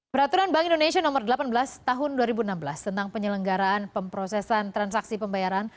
peraturan bank indonesia nomor delapan belas tahun dua ribu enam belas tentang penyelenggaraan pemprosesan transaksi pembayaran